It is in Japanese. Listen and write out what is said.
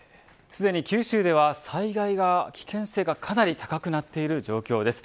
すでに九州では災害の危険性が高くなっている状況です。